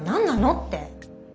って。